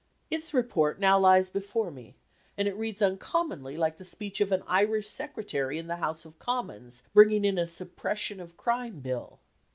Its report now lies before me, and it reads uncommonly like the speech of an Irish Secretary in the House of Commons bringing in a "Suppression of Crime Bill."